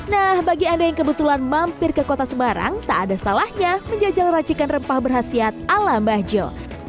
nah bagi anda yang kebetulan mampir ke kota semarang tak ada salahnya menjajal racikan rempah berhasiat ala mbahjo